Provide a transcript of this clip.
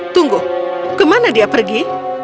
tunggu kemana dia pergi